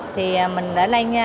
thì mình đã lên